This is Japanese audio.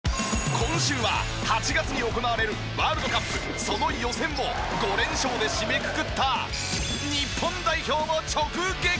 今週は８月に行われるワールドカップその予選を５連勝で締めくくった。